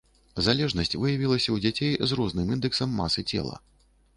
Залежнасць выявілася ў дзяцей з розным індэксам масы цела.